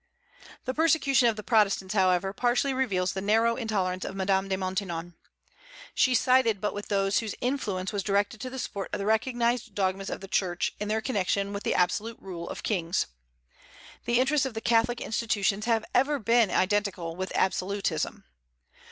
The persecution of the Protestants, however, partially reveals the narrow intolerance of Madame de Maintenon. She sided but with those whose influence was directed to the support of the recognized dogmas of the Church in their connection with the absolute rule of kings. The interests of Catholic institutions have ever been identical with absolutism.